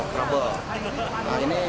kabel nah ini